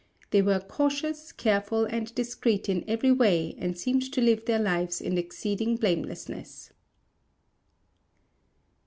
They were cautious, careful, and discreet in every way and seemed to live their lives in exceeding blamelessness.